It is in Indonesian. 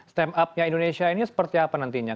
stand up nya indonesia ini seperti apa nantinya